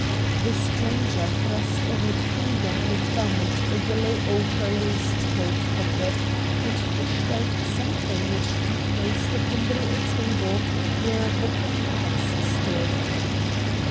The stranger thrust a red finger and thumb into a yellow ochre waistcoat pocket, and fished out something which he placed upon the little table where the coffee cups stood.